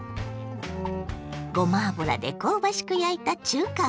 ごま油で香ばしく焼いた中華風ソテー。